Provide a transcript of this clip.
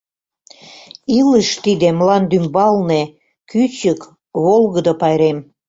Илыш тиде мландӱмбалне — Кӱчык, волгыдо пайрем.